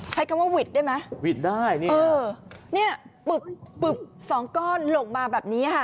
ใช้คำว่าหวิดได้ไหมหวิดได้นี่เออเนี่ยปึบปึบสองก้อนลงมาแบบนี้ค่ะ